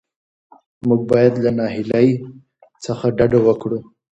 موږ باید له ناهیلۍ څخه ډډه وکړو.